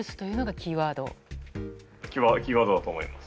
キーワードだと思います。